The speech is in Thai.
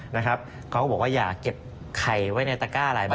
เขาก็บอกว่าอย่าเก็บไข่ไว้ในตระก้าหลายใบ